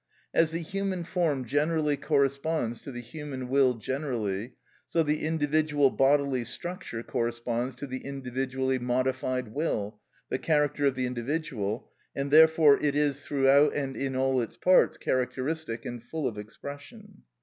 As the human form generally corresponds to the human will generally, so the individual bodily structure corresponds to the individually modified will, the character of the individual, and therefore it is throughout and in all its parts characteristic and full of expression.